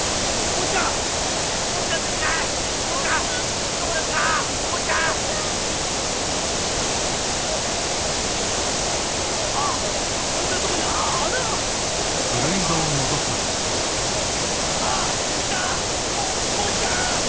坊ちゃん！